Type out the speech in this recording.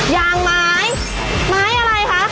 อย่างไม้ไม้อะไรคะ